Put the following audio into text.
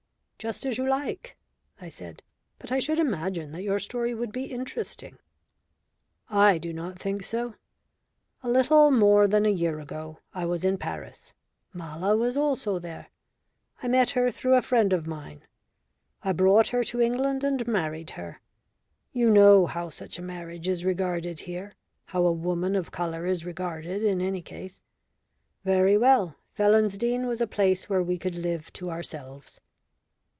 "Just as you like," I said. "But I should imagine that your story would be interesting." "I do not think so. A little more than a year ago I was in Paris. Mala was also there. I met her through a friend of mine. I brought her to England and married her. You know how such a marriage is regarded here how a woman of colour is regarded in any case. Very well, Felonsdene was a place where we could live to ourselves."